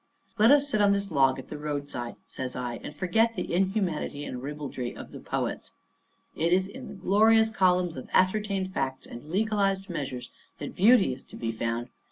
"Let us sit on this log at the roadside," says I, "and forget the inhumanity and ribaldry of the poets. It is in the glorious columns of ascertained facts and legalised measures that beauty is to be found.